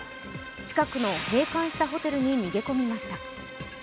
近くの閉館したホテルに逃げ込みました。